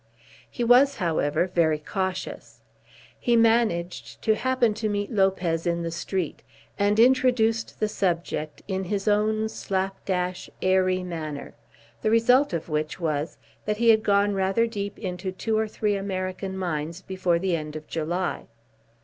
He was, however, very cautious. He managed to happen to meet Lopez in the street, and introduced the subject in his own slap dash, aery manner, the result of which was, that he had gone rather deep into two or three American mines before the end of July.